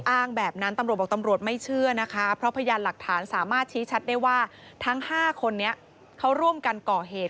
อ้างแบบนั้นตำรวจบอกตำรวจไม่เชื่อนะคะเพราะพยานหลักฐานสามารถชี้ชัดได้ว่าทั้ง๕คนนี้เขาร่วมกันก่อเหตุ